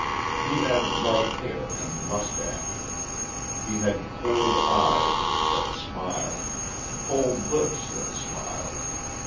He had light hair, and moustache. He had cold eyes that smiled; cold lips that smiled.